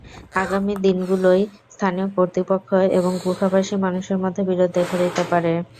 আগামী দিনগুলোয় স্থানীয় কর্তৃপক্ষ এবং গুহাবাসী মানুষের মধ্যে বিরোধ দেখা দিতে পারে।